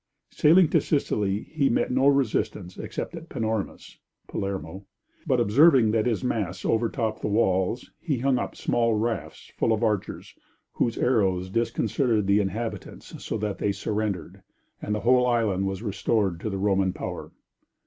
Sailing to Sicily he met no resistance except at Panormis (Palermo), but observing that his masts overtopped the walls, he hung up small rafts full of archers, whose arrows disconcerted the inhabitants so that they surrendered, and the whole island was restored to the Roman power.